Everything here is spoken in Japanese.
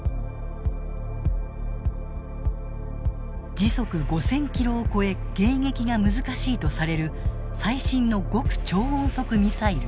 時速５，０００ｋｍを超え迎撃が難しいとされる最新の極超音速ミサイル。